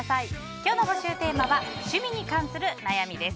今日の募集テーマは趣味に関する悩みです。